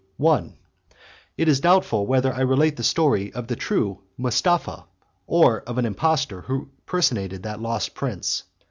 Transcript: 72 1. It is doubtful, whether I relate the story of the true Mustapha, or of an impostor who personated that lost prince.